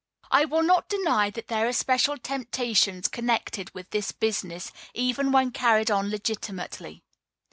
I will not deny that there are special temptations connected with this business even when carried on legitimately.